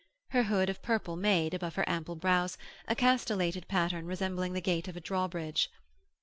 Her hood of purple made, above her ample brows, a castellated pattern resembling the gate of a drawbridge.